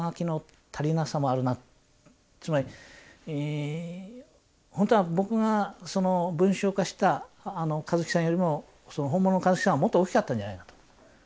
つまり本当は僕が文章化した香月さんよりも本物の香月さんはもっと大きかったんじゃないかと。